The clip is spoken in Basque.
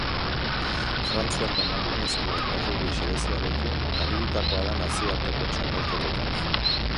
Frantziako emakumezkoen errugbi selekzioarekin aritutakoa da nazioarteko txapelketetan.